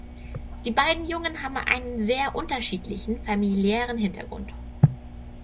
Die beiden Jungen haben einen sehr unterschiedlichen familiären Hintergrund.